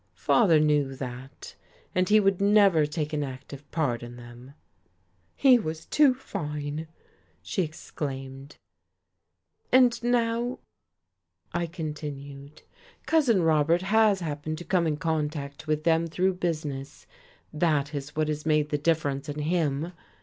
"Father knew that. And he would never take an active part in them." "He was too fine!" she exclaimed. "And now," I continued, "Cousin Robert has happened to come in contact with them through business. That is what has made the difference in him.